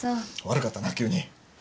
悪かったな急に。